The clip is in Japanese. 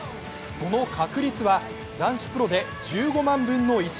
その確率は男子プロで１５万分の１。